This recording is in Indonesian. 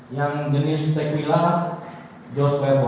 yang jenis tequila jotwebo